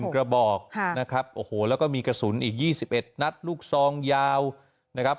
กระบอกนะครับโอ้โหแล้วก็มีกระสุนอีก๒๑นัดลูกซองยาวนะครับ